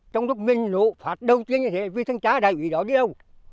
trong lúc mình nộ phát đầu tiên như thế vi thân trả đại ủy đó đi đâu